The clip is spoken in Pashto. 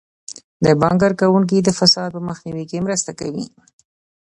د بانک کارکوونکي د فساد په مخنیوي کې مرسته کوي.